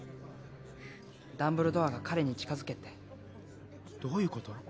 ダンブルドアが彼に近づけってどういうこと？